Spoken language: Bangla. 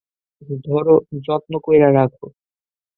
ধরো, যত্ন কইরা রাখো।